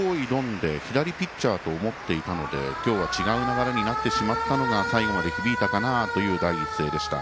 で左ピッチャーと思っていたので今日は違う流れになってしまったのが最後まで響いたかなというのが第一声でした。